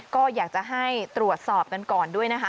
ก็อยากจะให้ตรวจสอบกันก่อนด้วยนะคะ